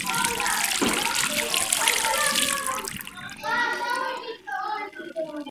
მისი დედაქალაქია ქალაქი ჩესკე-ბუდეიოვიცე.